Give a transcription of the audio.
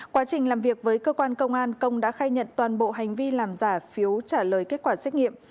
quá trình làm việc với cơ quan công an công đã khai nhận toàn bộ hành vi làm giả phiếu trả lời kết quả xét nghiệm